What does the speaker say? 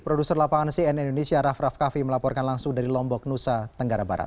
produser lapangan cnn indonesia raff raff kaffi melaporkan langsung dari lombok nusa tenggara barat